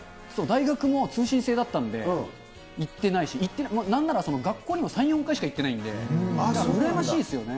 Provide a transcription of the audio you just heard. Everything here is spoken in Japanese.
大学も通信制だったので、行ってないし、なんなら学校にも３、４回しか行ってないんで、羨ましいですよね。